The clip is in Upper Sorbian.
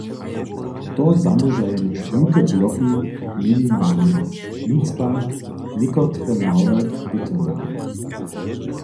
To zamóža jenož wulke bloki milinarnje, nic pak někotre małe wětrniki.